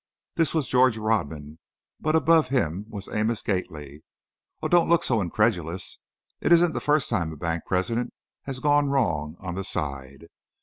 This was George Rodman, but above him was Amos Gately. Oh, don't look so incredulous. It isn't the first time a bank president has gone wrong on the side.